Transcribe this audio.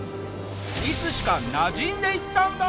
いつしかなじんでいったんだ！